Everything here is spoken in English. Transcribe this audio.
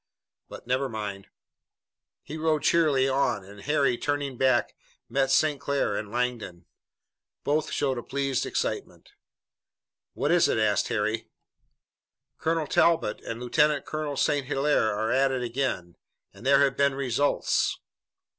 But never mind." He rode cheerily on, and Harry, turning back, met St. Clair and Langdon. Both showed a pleased excitement. "What is it?" asked Harry. "Colonel Talbot and Lieutenant Colonel St. Hilaire are at it again, and there have been results!"